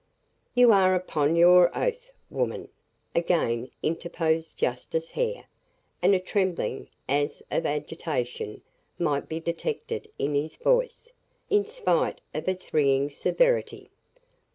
"You are upon your oath, woman!" again interposed Justice Hare, and a trembling, as of agitation, might be detected in his voice, in spite of its ringing severity.